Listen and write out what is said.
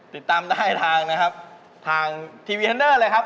ติดตามได้ทางนะครับทางทีวีทันเดอร์เลยครับ